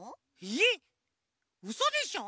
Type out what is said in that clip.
えっうそでしょ！？